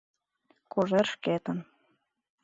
Кожер шкетын.